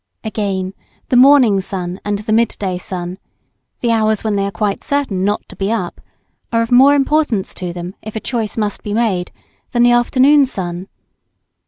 Again, the morning sun and the mid day sun the hours when they are quite certain not to be up, are of more importance to them, if a choice must be made, than the afternoon sun.